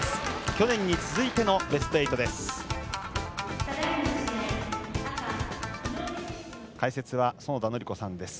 去年に続いてのベスト８です。